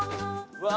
うわ